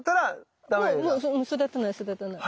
もう育たない育たない。